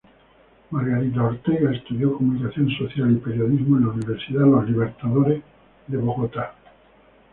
Margarita Ortega estudió Comunicación Social y Periodismo en la Universidad Los Libertadores, de Bogotá.